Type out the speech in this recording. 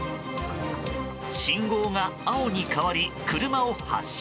信号が青に変わり車を発進。